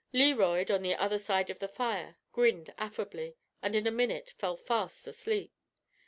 Learoyd, on the other side of the fire, grinned affably, and in a minute fell fast asleep.